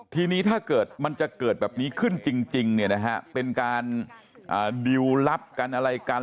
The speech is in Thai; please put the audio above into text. ทีนี้ถ้าเกิดมันจะเกิดแบบนี้ขึ้นจริงเนี่ยนะฮะเป็นการดิวลลับกันอะไรกัน